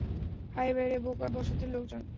হায়রে বোকা বসতির লোকজন।